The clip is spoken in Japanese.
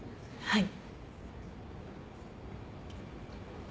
はい。